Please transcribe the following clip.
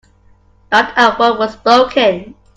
Not a word was spoken.